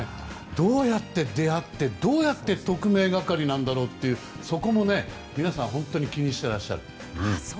どうやって出会ってどうやって特命係なんだろうっていうそこも皆さん本当に気にしていらっしゃる。